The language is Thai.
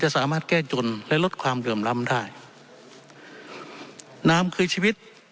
สามารถแก้จนและลดความเหลื่อมล้ำได้น้ำคือชีวิต